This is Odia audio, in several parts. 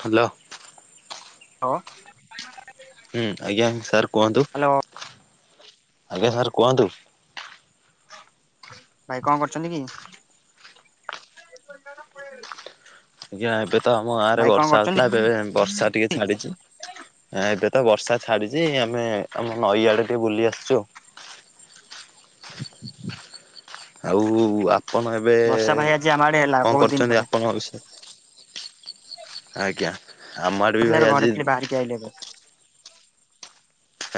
ହ୍ୟାଲୋ। ହଁ। ହୁଁ ଆଜ୍ଞା ସାର୍ କୁହନ୍ତୁ। ଆଜ୍ଞା ସାର୍ କୁହନ୍ତୁ। ଭାଇ କଣ କରୁଛନ୍ତି କି? ଆଜ୍ଞା ଏବେ ତ ଆମ ଗାଁ ରେ ଭାଇ କଣ ବର୍ଷା ହେଉଥିଲା। କରୁଛନ୍ତି? ଏବେ ବର୍ଷା ଟିକେ ଛାଡିଛି ଏବେ। ତ ବର୍ଷା ଛାଡିଛି! ଆମେ ଆମ ନଈ ଆଡେ ଟିକେ ବୁଲି ଆସିଛୁ। [inaudible] ଆଉ ଆ ଆପଣ ଏବେ ବର୍ଷା ଭାଇ ଆଜି ଆମ ଆଡେ ହେଲା କଣ ବହୁତ ଦିନ କରୁଛନ୍ତି, ପରେ ଆପଣଙ୍କ ବିଷୟରେ ଆଜ୍ଞା ଆମ ଆଡେ ବି କହୁଥିଲେ ଭାଇ ଏବେ ଘରେ ଆଜି ଥିଲି ବାହାରିକି ଆଇଲି ଏବେ।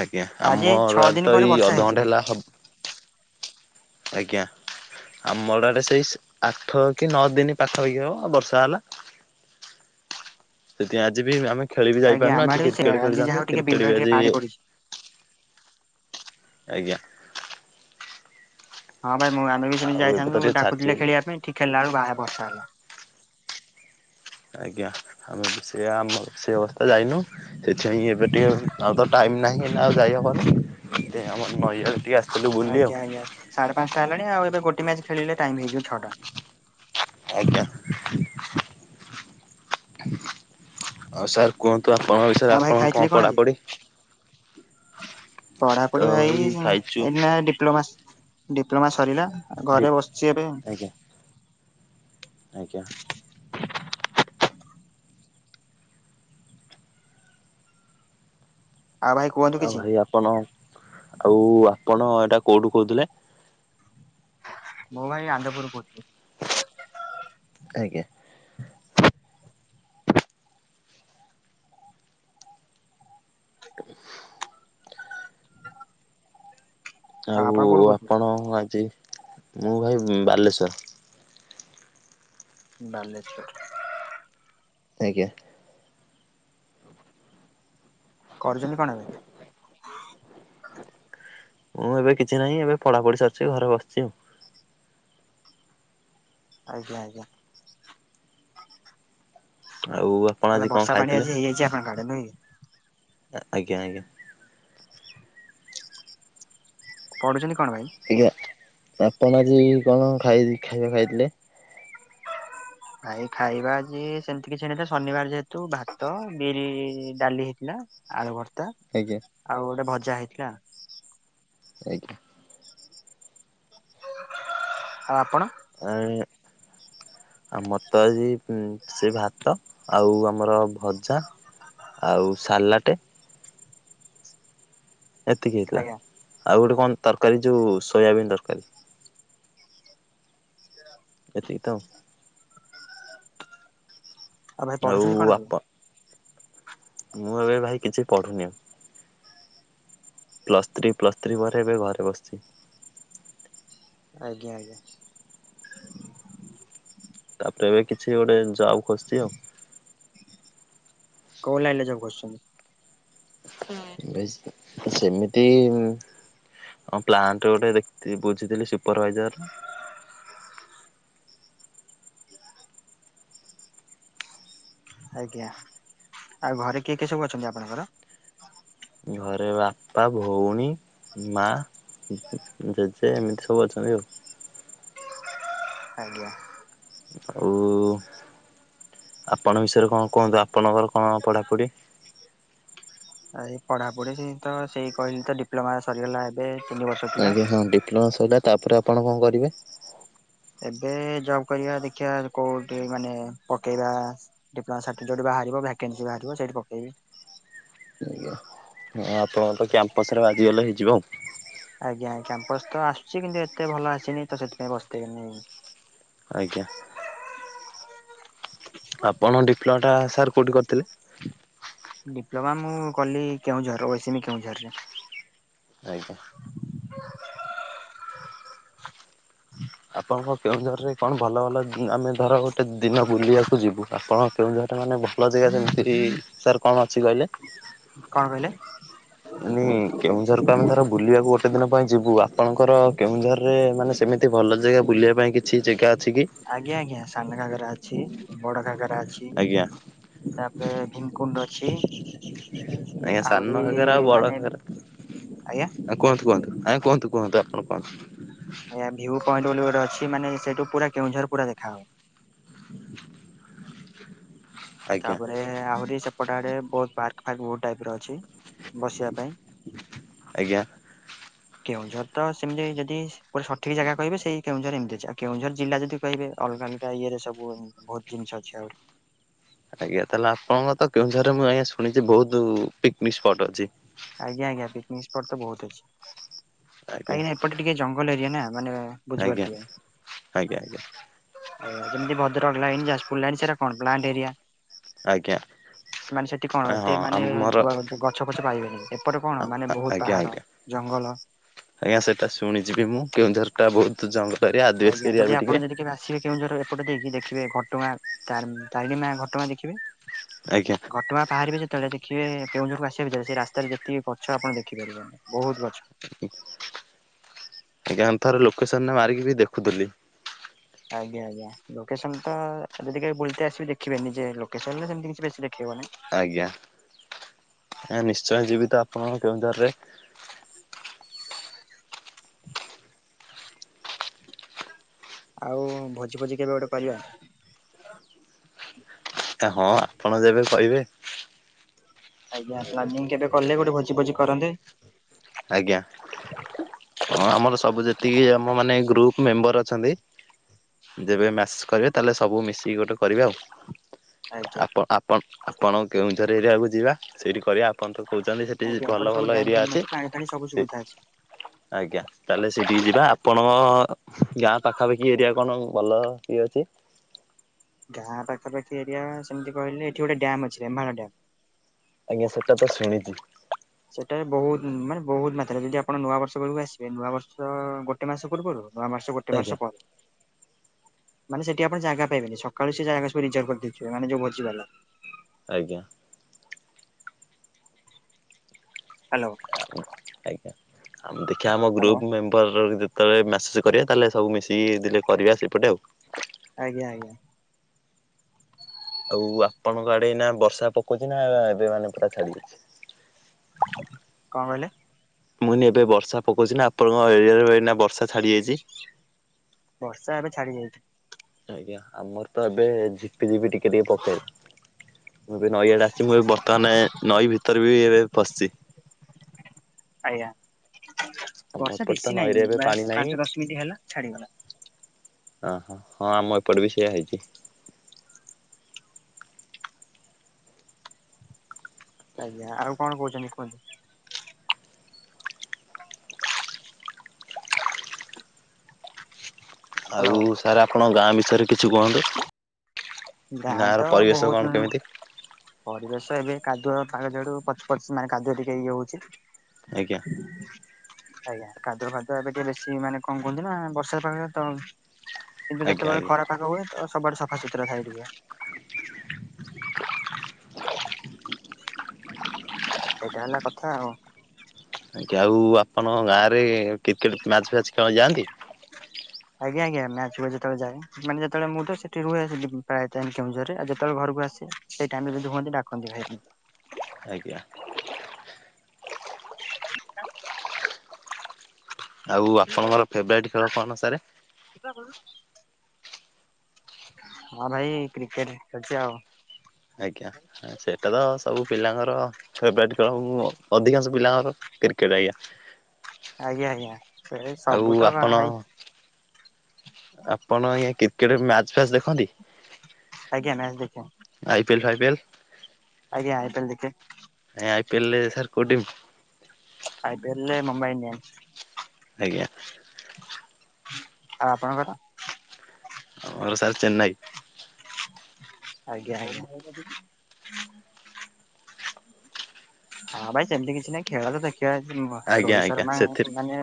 ଆଜ୍ଞା ଆଜି ଛଅ ଆମର ଦିନ ତ ପରେ ଏଇ ବର୍ଷା ହେଇଛି ଅଧଘଣ୍ଟା ଭାଇ। ହେଲା ହବ ଆଜ୍ଞା। ଆମର ଆଡେ ସେଇ ଆଠ କି ନଅ ଦିନି ପାଖ ହେଇକି ହବ ବର୍ଷା ହେଲା। ସେଥିପାଇଁ ଆଜି ବି ଆମେ ଖେଳି ବି ଆଜ୍ଞା ଯାଇପାରୁନୁ ଆମ ଆଜି ଆଡେ ବି ସେଇଆ କ୍ରିକେଟ ଖେଳି ଆଜି ଯାହା ଯଥାନ୍ତୁ ହଉ ଟିକେ କ୍ରିକେଟ ବିଲରେ ବି ଟିକେ ଆଜି ପାଣି ପଡିଛି। ଆଜ୍ଞା, ନାଇଁ ମୁଁ ଆମେ ବି ସେମିତି ଆଉ ଏବେ ତ ଯାଇଥାନ୍ତୁ ଟିକେ ଛାଡିଛି ଡାକୁଥିଲେ ବୋଲି ଖେଳିବା ପାଇଁ ଠିକ ଖେଳିଲା ବେଳକୁବାହା ବର୍ଷା ହେଲା। ଆଜ୍ଞା ଆମେ ବି ସେୟା ଆମ ସେ ଅବସ୍ଥା ଯାଇନୁ ସେଥିପାଇଁ ଏବେ ଟିକେ ଆଉ ତ ଟା ନାହି ଆଉ ଯାଇ ହବନି ଏ ଆମ ନଈ ଆଡେ ଟିକେ ଆସି ଆଜ୍ଞା ଆଜ୍ଞା ସାଢେ ପାଞ୍ଚଟା ହେଲାଣି ଆଉ ଏବେ ଗୋଟେ ମ୍ୟାଚ ଖେଳିଲେ ଟାଇମ ହେଇଯିବ ଛଅଟା। ଆଜ୍ଞା ଆଉ ସାର୍ କୁହନ୍ତୁ ଆପଣଙ୍କ ବିଷୟରେ ଆଉ ଭାଇ ଆପଣଙ୍କ କଣ ଖାଇଥିଲି ଆଜି? ପଢାପଢି ତ ପଢାପଢି ଭାଇ ଖାଇଛୁ ଏଇନା ଡିପ୍ଲୋମା ଡିପ୍ଲୋମା ସରିଲା ଡି ଘରେ ବସିଛି ଏବେ ଆଜ୍ଞା। ଆଜ୍ଞା, ଆଉ ଭାଇ କୁହନ୍ତୁ ଆଉ କିଛି? ଭାଇ ଆପଣ ଆଉ ଆପଣ ଏଇଟା କୋଉଠୁ କହୁଥିଲେ। ମୁ ଭାଇ ଆନନ୍ଦପୁର ରୁ କହୁଥିଲି। ଆଜ୍ଞା, ଆଉ ଆପଣ କୋଉଠୁ କହୁଥିଲେ? ଆପଣ ଆଜି ମୁଁ ଭାଇ ବାଲେଶ୍ଵର। ବାଲେଶ୍ୱର। ଆଜ୍ଞା, କରୁଛନ୍ତି କଣ ଏବେ? ମୁଁ ଏବେ କିଛି ନାହିଁ ଏବେ ପଢାପଢି ସରିଛି ଘରେ ବସିଛି ଆଉ ଆଜ୍ଞା ଆଜ୍ଞା, ଆଉ ଆପଣ ତାହେଲେ ଆଜି କଣ ବର୍ଷା ପାଣି ଆଜି ଖାଇଥିଲେ? ହେଇଯାଇଛି ଆପଣଙ୍କ ଆଡେ ନୁହେଁ କି ଆଜ୍ଞା ଆଜ୍ଞା, ପଢୁଛନ୍ତି କଣ ଭାଇ? ଆଜ୍ଞା ଆପଣ ଆଜି କଣ ଖାଇ ଖାଇବା ଖାଇଥିଲେ। ଭାଇ ଖାଇବା ଆଜି ସେମତି କିଛି ହେଇନଥିଲା ଶନିବାର ଯେହେତୁ ଭାତ ବିରି ଡାଲି ହେଇଥିଲା। ଆଳୁ ଭର୍ତ୍ତା ଆଜ୍ଞା ଆଉ ଗୋଟେ ଭଜା ହେଇଥିଲା। ଆଜ୍ଞା, ଆ ଆପଣ? ଏଇଁ, ଆମର ତ ଆଜି ସେ ଭାତ ଆଉ ଆମର ଭଜା, ଆଉ ସାଲାଟେ ଏତିକି ହେଇଥିଲା ଆଜ୍ଞା ଆଉ ଗୋଟେ କଣ ତରକାରୀ ଯୋଉ ସୋୟାବିନ୍ ତରକାରୀ। ଏତିକି ତଆଉ ଆଉ ଭାଇ ପଢୁଛନ୍ତି କଣ ଆପଣ ଏବେ ମୁଁ ଏବେ ଭାଇ କିଛି ପଢୁନି ଆଉ। ପ୍ଲସ୍ ଥ୍ରୀ ପ୍ଲସ୍ ଥ୍ରୀ ପରେ ଏବେ ଘରେ ବସିଛି। ଆଜ୍ଞା। ତାପରେ ଏବେ କିଛି ଗୋଟେ ଜବ୍ ଖୋଜୁଛି ଆଉ। କଉ ଲଇନ ରେ ଜବ୍ ଖଜୁଛନ୍ତି? ସେମିତି ହଁ ପ୍ଲାଣ୍ଟ ଗୋଟେ ଦେଖ୍ ବୁଝିଥିଲି ସୁପରଭାଇଜର। ଆଜ୍ଞା ଆଉ ଘରେ କିଏ କିଏ ସବୁ ଅଛନ୍ତି ଆପଣଙ୍କର? ଘରେ ବାପା ଭଉଣୀ ମା ଜେଜେ ଏମିତି ସବୁ ଅଛନ୍ତି ଆଉ। ଆଜ୍ଞା ଓ ଆପଣଙ୍କ ବିଷୟରେ କଣ କୁହନ୍ତୁ ଆପଣଙ୍କର କଣ ପଢାପଢ଼ି? ଏ ପଢ଼ାପଢ଼ି ତ ସେଇ କହିଲି ତ ଡିପ୍ଲୋମା ସରିଗଲା ଏବେ ତିନି ବର୍ଷ ଥିଲା। ଆଜ୍ଞା ହଁ ଡିପ୍ଲୋମା ସରିଲା ତାପରେ ଆପଣ କଣ କରିବେ? ଏବେ ଜବ୍ କରିବା ଦେଖିବା କୋଉଠି ମାନେ ପକେଇବା ଡିପ୍ଲମା ସାଠିପିକେଟ ବାହାରିବ। ଭ୍ୟାକ୍ୟାନ୍ସ ବାହାରିବ ସେଇଠି ପକେଇବି। ଆଜ୍ଞା ଆପଣ ତ କ୍ୟାମ୍ପସ ରେ ବାଜିଗଲେ ହେଇଯିବ। ଆଜ୍ଞା କ୍ୟାମ୍ପସ ତ ଆସୁଛି କିନ୍ତୁ ଏତେ ଭଲ ଆସିନି ତ ସେଥିପାଇଁ ବସିଥିଲି ମୁଁ ଆଜ୍ଞା। ଆପଣ ଡିପ୍ଲୋମା ଟା ସାର୍ କୋଉଠି କରିଥିଲେ। ଡିପ୍ଲୋମା ମୁଁ କଲି କେଉଁଝର [inaudible] କେଉଁଝରରେ। ଆଜ୍ଞା। [unintelligible] ଆପଣଙ୍କ କେଉଁଝରରେ କଣ ଭଲ ଭଲ ଆମେ ଧର ଗୋଟେ ଦିନ ବୁଲିବାକୁ ଯିବୁ ଆପଣ କେଉଁଝର ମାନେ ଭଲ ଜାଗା ସେମିତିରି ସାର୍ କଣ ଅଛି କହିଲେ? କଣ କହିଲେ? ମାନେ କେଉଁଝରକୁ ଆମେ ଧର ବୁଲିବାକୁ ଗୋଟେ କେତେ ଦିନ ପାଇଁ ଯିବୁ। ଆପଣଙ୍କର କେଉଁଝରରେ ମାନେ ସେମିତି ଭଲ ଜାଗା ବୁଲିବା ପାଇଁ କିଛି ଜାଗା ଅଛି କି? ଆଜ୍ଞା, ଆଜ୍ଞା ସାନ ଘାଗରା ଅଛି। ବଡ ଘାଗରା ଅଛି। ଆଜ୍ଞା ତାପରେ ଭୀମକୁଣ୍ଡ ଅଛି। ଆହୁରି ମାନେ ଆଜ୍ଞା ଆ, କୁହନ୍ତୁ, କୁହନ୍ତୁ, ଆଜ୍ଞା କୁହନ୍ତୁ, କୁହନ୍ତୁ, ଆ ଆଜ୍ଞା ଭିୟୁ ପଏଣ୍ଟ ବୋଲି ଗୋଟେ ଅଛି ମାନେ ସେଇଠୁ ପୁରା କେଉଁଝର ପୁରା ଦେଖା ହବ। [unintelligible] ଆଜ୍ଞା ତାପରେ ଆହୁରି ସେପଟ ଆଡେ ବହୁତ ପାର୍କ ଫାର୍କ ବହୁତ ଟାଇପ୍ ର ଅଛି। ବସିବା ପାଇଁ। ଆଜ୍ଞା। କେଉଁଝର ତ ସେମିତି ଯଦି ପୁରା ସଠିକ୍ ଜାଗା କହିବେ ସେଇ କେଉଁଝର ଏମିତି ଅଛି। ଆଉ କେଉଁଝର ଜିଲ୍ଲା ଯଦି କହିବେ ହେ ଅଲଗା ଅଲଗା ଇଏରେ ସବୁ ବହୁତ ଜିନିଷ ଅଛି ଆଉ। ଆଜ୍ଞା ତାହେଲେ ଆପଣଙ୍କ ତ କେଉଁଝରେ ମୁଁ ଆଜ୍ଞା ଶୁଣିଚି ବହୁତୁ ପିକନିକ୍ ସ୍ପଟ୍ ଅଛି। ଆଜ୍ଞା ଆଜ୍ଞା ପିକନିକ୍ ସ୍ପଟ୍ ତ ବହୁତ ଅଛି। ଆଜ୍ଞା। କାହିଁକି ନା ଏପଟେ ଟିକେ ଜଙ୍ଗଲ ଏରିଆ ନା। ମାନେ ଆଜ୍ଞା ବୁଝିପାରୁଥିବେ। ଅ, ଆଜ୍ଞା ଆଜ୍ଞା ଯେମିତି ଭଦ୍ରକ ଲାଇନ୍ ଯାଜପୁର ଲାଇନ୍ ସେଟା କଣ ପ୍ଲାଣ୍ଟ ଏରିଆ। ଆଜ୍ଞା। ସେମାନେ ସେଠି କଣ ଏତେ ହଁ ମାନେ ଆମର ବ- ଗଛ ଫଛ ପାଇବେନି ସେପଟ କଣ ମାନେ ବହୁତ ଆଜ୍ଞା ପାହାଡ, ଆଜ୍ଞା। ଜ ଜଙ୍ଗଲ ଆଜ୍ଞା ସେଟା ଶୁଣିଚି ବି ମୁଁ କେଉଁଝର ଟା ବହୁତ ଜଙ୍ଗ ଆଜ୍ଞା, ଯଦି ଆପଣ ଯଦି କେବେ ଆସିବେ କେଉଁଝର ଏପଟେ ଦେଇକି ଦେଖିବେ ଘ ଟଗାଁ ତାରଣ ତାରିଣୀ ମା ଘଟଗାଁ ଦେଖିବେ। ଆଜ୍ଞା ଘଟଗାଁ ବାହାରିବେ ଯେତେବେଳେ ଦେ ଦେଖିବେ କେଉଁଝରକୁ ଆସିବ ଭିତରେ ସେ ରାସ୍ତାରେ ଯେତିକି ଗଛ ଆପଣ ଦେଖି ପାରିବେନି ବହୁତ ଗଛ। ଆ [unintelligible] ଆଜ୍ଞା, ଥରେ ଲୋକେସନ୍ ରେ ମାରିକି ବି ଦେଖୁଥିଲି। ଆଜ୍ଞା, ଆଜ୍ଞା ଲୋକେସନ୍ ତ ଯଦି କେବେ ବୁଲତେ ଆସିବେ ଦେଖିବେ ନିଜେ ଲୋକସନ୍ ରେ ସେମତି କିଛି ବେଶୀ ଦେ ଆଜ୍ଞା ଏଁ, ନିଶ୍ଚୟ ଯିବି ତ ଆପଣଙ୍କ କେଉଁଝର। ରେ ଆଉ ଭୋଜି ଭୋଜି କେବେ ଗୋଟେ କରିବା? ଏ ହଁ ଆପଣ ଯେବେ କହିବେ। ଆଜ୍ଞା ପ୍ଲାନିଂ କେବେ କଲେ ଗୋଟେ ଭୋଜି ଫୋଜି କରନ୍ତେ? ଆଜ୍ଞା ହଁ ଆମର ସବୁ ଯେତିକି ଆମ ମାନେ ଗ୍ରୁପ ମେମ୍ବର ଅଛନ୍ତି ଯେବେ ମାସ କରିବେ ତାହେଲେ ସବୁ ମିଶିକି ଗୋଟେ କରିବା ଆଉ। ଆଜ୍ଞା ଆପ ଆପଣ ଆପଣ କେଉଁଝର ଏରିଆକୁ ଯିବା ସେଇଠି କରିବା। ଆପଣ ତ କହୁଚନ୍ତି ସେଠି ବି ଆଜ୍ଞା ଭଲ ଏପଟେ ସବୁ ଭଲ ଡ୍ୟାମ ଏରିଆ ଫ୍ୟାମ ଅଛି। ପାଣି ଫାଣି ସବୁ ଠି, ସୁବିଧା ଅଛି। ଆଜ୍ଞା ତାହେଲେ ସେଇଟିକ ଯିବା। ଆପଣ ଗାଁ ପାଖାପାଖି ଏରିଆ କଣ ଭଲ କିଏ ଅଛି? ଗାଁ ପାଖାପାାଖି ଏରିଆ ସେମିତି କହିଲେ ଏଠି ଗୋଟେ ଡ୍ୟାମ୍ ଅଛି। ରେମ୍ହାଳ ଡ୍ୟାମ୍। ହଁ ସେଟା ତ ଶୁଣିଚି। ସେଟାରେ ବହୁତ ମାନେ ବହୁତ ମାତ୍ରାରେ ଯଦି ଆପଣ ନୂଆ ବର୍ଷ ବେଳକୁ ଆସିବେ। ନୂଆ ବର୍ଷ ଗୋଟେ ମାସ ପୂର୍ବରୁ ନୂଆ ମାସ ଗୋଟେ ଆଜ୍ଞା ମାସ ପରେ ମାନେ ସେଠି ଆପଣ ଜାଗା ପାଇବେନି। ସକାଳୁ ସେ ଜାଗା ସବୁ ରିଜର୍ଭ କରିି ଦେଇଥିବେ ମାନେ ଯୋଉ ଭୋଜି ଵାଲା। ଆଜ୍ଞା। ହ୍ୟାଲୋ। ଅ, ଆମ ଦେଖିବା ଆମ ହ୍ୟାଲୋ ଗ୍ରୁପ ମେମ୍ବର ର ବି ଯ ତ ଏ ମେସେଜ୍ କରିବା ତାହେଲେ ସବୁ ମିଶିକି ଦିନେ କରିବା ସେପଟେ ଆଉ। ଆଜ୍ଞା, ଆଜ୍ଞା। ଆଉ ଆପଣଙ୍କ ଆଡେ ଏଇନା ବର୍ଷା ପକଉଚି ନା? ଆ, ଏବେ ମାନେ ପୁରା ଛାଡି ଯାଇଛି? କଣ କହିଲେ? ମୁଇଁନ ଏବେ ବର୍ଷା ପକଉଚି ନା ଆପଣଙ୍କ ଏରିଆରେ ବଷ ବର୍ଷା ଛାଡ଼ିଯାଇଛି। ବର୍ଷା ଏବେ ଛାଡି ଯାଇଛି। ଆଜ୍ଞା ଆମର ତ ଏବେ ଝିପିଝିପି ଟିକେ ଟିକେ ପକେଇଲା। ମୁଁ ଏବେ ନଈ ଆଡେ ଆସିଛି ମୁଁ ଏ ବର୍ତ୍ତମାନେ ନଈ ଭିତରେ ବି ଏବେ ପଶିଛି। ଆଜ୍ଞା। ଆମ ବର୍ଷା ଏପଟେ ତ ବେଶି ନଈରେ ନାହିଁ ଏବେ ପାଣି ବାସ ନାହିଁ। ପାଞ୍ଚ ଦଶ ମିନିଟ ହେଲା ଛାଡିଗଲା। ଅ ହୋ ହଁ ଆମ ଏପଟେ ବି ସେଇୟା ହେଇଛି। ଆଜ୍ଞା ଆଉ କଣ କହୁଛନ୍ତି କୁହନ୍ତୁ? ଆଉ ହ୍ୟାଲୋ ସାର୍ ଆପଣ ଗାଁ ବିଷୟରେ କିଛି କୁହନ୍ତୁ? ଗାଁ ତ ଗାଁର ପରିବେଶ ବହୁତ କଣ କେମିତି? ପରିବେଶ ଏବେ କାଦୁଅ କା ଯଡୁ ପଚ ପଚ ମାନେ କାଦୁଅ ଟିକେ ହେଇ ଯାଉ ହଉଛି। ଆଜ୍ଞା ହୁଁ। ଆଜ୍ଞା କାଦୁଅ ଫାଦୁଆ ଏବେ ଟିକେ ବେଶି ମାନେ କଣ କୁହନ୍ତି ନା ବର୍ଷା ପାଗ ତ କିନ୍ତୁ ଆଜ୍ଞା ଯେତେବେଳେ ଆଜ୍ଞା। ଖରା ପାଗ ହୁଏ ତ ସବୁ ଆଡୁ ସଫ ସଫା ସୁତର ଥାଏ ଟିକେ। ଏଇଟା ହେଲା କଥା ଆଉ। ଆଜ୍ଞା ଆଉ ଆପଣଙ୍କ ଗାଁରେ କ୍ରିକେଟ ମ୍ୟାଚ ଫ୍ୟାଚ ଖେଳ ଯାଆନ୍ତି? ଆଜ୍ଞା ଆଜ୍ଞା ମ୍ୟାଚୁ ହୁଏ ଯେତେବେଳେ ଯାଏ ମାନେ ଯେତେବେଳେ ମୁଁ ତ ସେଠି ରୁହେ ସେଠି ପ୍ରାୟ ଟାଇମ୍ କେଉଁଝର ରେ ଯେତେବେଳେ ଘରକୁ ଆସେ ସେ ଟାଇମ୍ ରେ ହୁଅନ୍ତି ଡାକନ୍ତି ଭାଇମାନେ। ଆଜ୍ଞା। ତ [unintelligible] ଆଉ ଆପଣଙ୍କର ଫେବରାଇଟ ଖେଳ କଣ ସାରେ? ହଁ ଭାଇ କ୍ରିକେଟ ଖେଳୁଛି ଆଉ। ଆଜ୍ଞା ସେଇଟା ତ ସବୁ ପିଲାଙ୍କର ଛ ବ୍ୟାଟ ଖେଳ କ ଅଧିକାଂଶ ପିଲାଙ୍କର କ୍ରିକେଟ ଆଜ୍ଞା। ଆଜ୍ଞା ଆଜ୍ଞା ସେ ଆଉ ସବୁ ତ ଆପଣ ଭାଇ ଆପଣ ଆଜ୍ଞା କ୍ରିକେଟ ମ୍ୟାଚ ଫ୍ୟାଚ ଦେଖନ୍ତି? ଆଜ୍ଞା ମ୍ୟାଚ ଦେଖେ ଆଇ ପିଏଲ ଫାଇ ପିଏଲ ଆଜ୍ଞା ଆ ଇ ପି ଏ ଲ ଦେଖେ। ଆ ଇ ପି ଏ ଲ ରେ ସାର୍ କୋଉ ଟିମ? ଆ ଇ ପି ଏ ଲ ରେ ମୁମ୍ବାଇ ଇଡିଆନସ। ଆଜ୍ଞା। ଆଉ ଆପଣଙ୍କ ର? ଆମର ସାର ଚେନାଇ। ଆଜ୍ଞା ଆଜ୍ଞା। ହଁ ଭାଇ ସେମିତି କିଛି ନାହିଁ ଖେଳ ତ ଦେଖିବା ଆଜ୍ଞା ରୋହିତ ଆଜ୍ଞା ଶର୍ମା ସେଥିରେ ମାନେ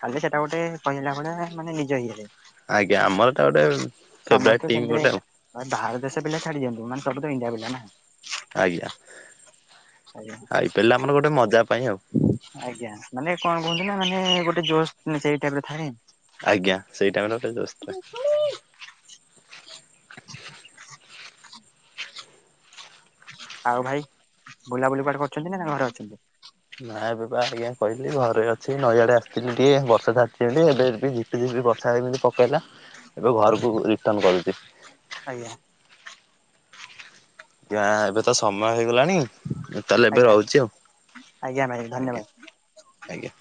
କାଲି ସେଟା ଗୋଟେ କହିଲା ଭଳିଆ ମାନେ ନିଜ ଇଏରେ ଆଜ୍ଞା ଆମର ଏଟା ଗୋଟେ ଫେବରାଇଟ ସମସ୍ତେ ଟିମ୍ ସେମିତିରେ ଗୋଟେ ଆଉ ବାହାର ଦେଶ ପିଲା ଛାଡି ଦଅନ୍ତୁ ସବୁ ତ ଇଣ୍ଡିଆ ପିଲା ନା। ଆଜ୍ଞା ଆଇପିଲେ ଆମର ଗୋଟେ ମଜା ପାଇଁ ଆଉ ଆଜ୍ଞା ମାନେ କଣ କୁହନ୍ତି ନା ମାନେ ଗୋଟେ ଜୋସ୍ ସେଇ ଟାଇମ ରେ ଥାଏ। ଆଜ୍ଞା ସେଇ ଟାଇମ ରେ ଗୋଟେ ଜୋସ୍ ଥିଲା। ଆଉ ଭାଇ ବୁଲାବୁଲି କୁଆଡେ କରୁଛନ୍ତି ନା ଘରେ ଅଛନ୍ତି? ନା ଏବେ ବା ଆଜ୍ଞା କହିଲି ଘରେ ଅଛି ନଈଆଡେ ଆସିଥିଲି ଟିକେ ବର୍ଷା ଛାଡିଛି ଏବେ ବି ଝିପି ଝିପି ବର୍ଷା ଏମିତି ପକେଇଲା ଏବେ ଘରକୁ ରିଟନ୍ କରିବି। ଆଜ୍ଞା। ଆଜ୍ଞା ଏବେ ତ ସମୟ ହେଇଗଲାଣି? ମୁଁ ତାହେଲେ ଏବେ ଆଜ୍ଞା ରହୁଛି ଆଉ ଆଜ୍ଞା ଭାଇ ଧନ୍ୟବାଦ। ଆଜ୍ଞା ଆଜ୍ଞା।